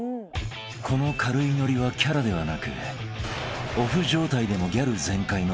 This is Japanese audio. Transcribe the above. ［この軽いノリはキャラではなくオフ状態でもギャル全開の２人］